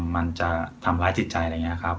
มันจะทำร้ายจิตใจอะไรอย่างนี้ครับ